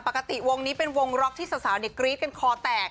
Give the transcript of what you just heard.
ปกติวงนี้เป็นวงล็อกที่สาวกรี๊ดกันคอแตก